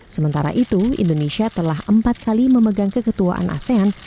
sementara itu indonesia telah empat kali memegang keketuaan asean